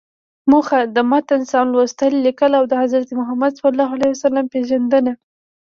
موخه: د متن سم لوستل، ليکل او د حضرت محمد ﷺ پیژندنه.